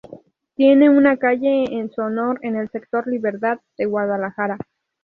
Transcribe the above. Tiene una calle en su honor en el sector Libertad de Guadalajara.